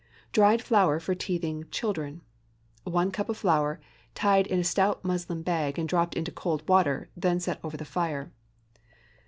DRIED FLOUR FOR TEETHING CHILDREN. 1 cup of flour, tied in a stout muslin bag and dropped into cold water, then set over the fire.